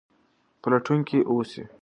پلټونکي اوسئ.